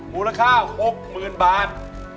มูลค่า๖๐๐๐บาท